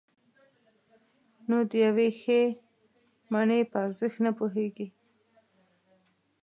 نو د یوې ښې مڼې په ارزښت نه پوهېږئ.